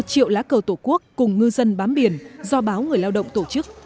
ba triệu lá cờ tổ quốc cùng ngư dân bám biển do báo người lao động tổ chức